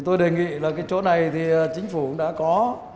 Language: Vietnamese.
tôi đề nghị là cái chỗ này thì chính phủ đã có